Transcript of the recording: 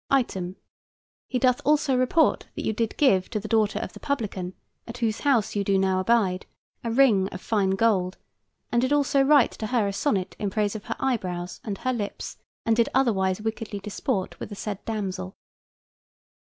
Item. He doth also report that you did give to the daughter of the publican at whose house you do now abide, a ring of fine gold, and did also write to her a sonnet in praise of her eyebrows and her lips, and did otherwise wickedly disport with the said damsel.